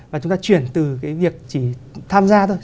và chúng ta chuyển từ cái việc chỉ tham gia thôi